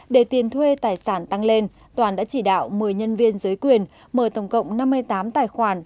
để tiền thuê tài sản tăng lên toàn đã chỉ đạo một mươi nhân viên giới quyền mở tổng cộng năm mươi tám tài khoản